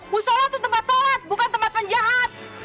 mu sholat itu tempat sholat bukan tempat penjahat